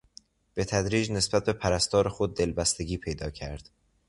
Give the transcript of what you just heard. به تدریج نسبت به پرستار خود دلبستگی پیدا کرد.